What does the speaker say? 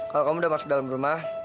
kalau kamu udah masuk dalam rumah